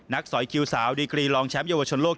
สอยคิวสาวดีกรีรองแชมป์เยาวชนโลก